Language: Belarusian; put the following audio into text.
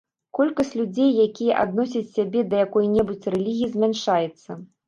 Колькасць людзей, якія адносяць сябе да якой-небудзь рэлігіі, змяншаецца.